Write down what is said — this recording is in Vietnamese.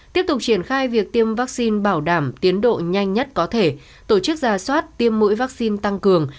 tiếp tục triển khai việc tiêm vaccine bảo đảm tiến độ nhanh nhất có thể tổ chức ra soát tiêm mũi vaccine tăng cường